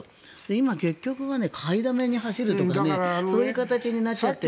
今、結局は買いだめに走るとかそういう形になっている。